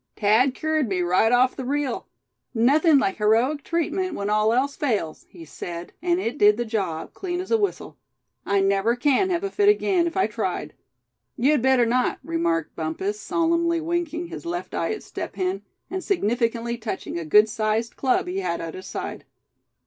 Thad cured me right off the reel. 'Nothing like heroic treatment, when all else fails,' he said; and it did the job, clean as a whistle. I never can have a fit again, if I tried." "You'd better not," remarked Bumpus, solemnly winking his left eye at Step Hen, and significantly touching a good sized club he had at his side.